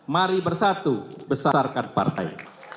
mari bersatu besarkan partai